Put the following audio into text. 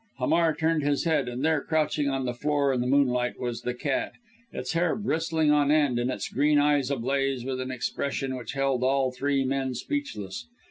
Hamar turned his head and there crouching on the floor, in the moonlight, was the cat, its hair bristling on end and its green eyes ablaze with an expression which held all three men speechless.